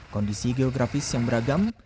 kondisi geografis yang beragam